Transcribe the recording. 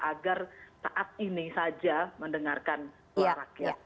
agar saat ini saja mendengarkan suara rakyat